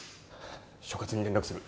所轄に連絡する